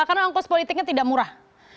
karena angkos politiknya tidak murah